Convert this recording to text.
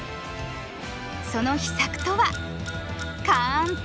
その秘策とは簡単！